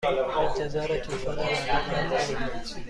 انتظار طوفان رعد و برق داریم.